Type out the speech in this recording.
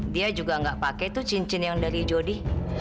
dia juga nggak pakai tuh cincin yang dari jody